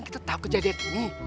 kalau udah begini